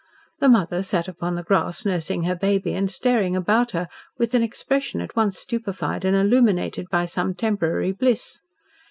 The mother sat upon the grass nursing her baby and staring about her with an expression at once stupefied and illuminated by some temporary bliss.